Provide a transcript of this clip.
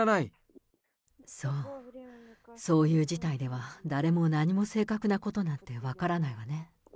そう、そういう事態では誰も何も、正確なことなんて分からないわね。